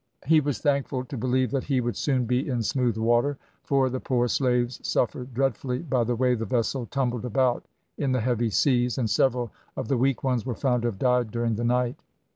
He was thankful to believe that he would soon be in smooth water, for the poor slaves suffered dreadfully by the way the vessel tumbled about in the heavy seas, and several of the weak ones were found to have died during the night.